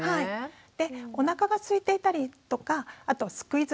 でおなかがすいていたりとかあとすくい